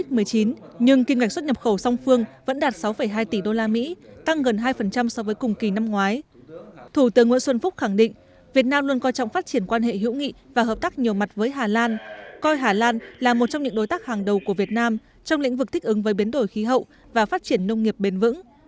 thủ tướng nguyễn xuân phúc khẳng định việt nam luôn coi trọng phát triển quan hệ hữu nghị và hợp tác nhiều mặt với hà lan coi hà lan là một trong những đối tác hàng đầu của việt nam trong lĩnh vực thích ứng với biến đổi khí hậu và phát triển nông nghiệp bền vững